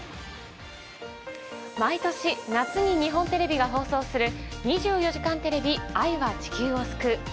毎年夏に日本テレビが放送する「２４時間テレビ愛は地球を救う」。